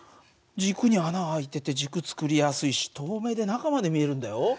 軸に穴開いてて軸作りやすいし透明で中まで見えるんだよ。